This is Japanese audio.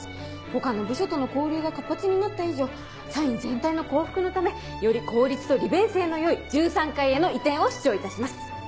他の部署との交流が活発になった以上社員全体の幸福のためより効率と利便性のよい１３階への移転を主張いたします。